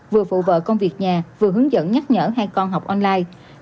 vừa phụ vợ công việc nhà vừa hướng dẫn nhắc nhở hai con học online